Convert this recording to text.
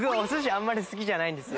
あんまり好きじゃないんですよ。